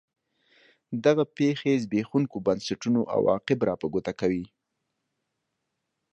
دغه پېښې زبېښونکو بنسټونو عواقب را په ګوته کوي.